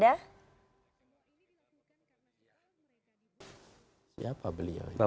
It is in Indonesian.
soal prabowo subianto akan diundang atau tidak dalam reuni akbar dua ratus dua belas